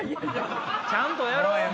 ちゃんとやろう！